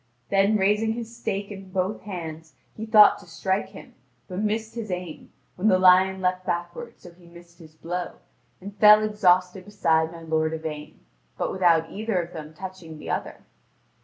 Then raising his stake in both hands, he thought to strike him, but missed his aim, when the lion leaded backward so he missed his blow, and fell exhausted beside my lord Yvain, but without either of them touching the other.